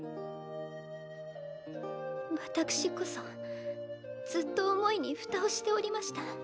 私こそずっと思いに蓋をしておりました。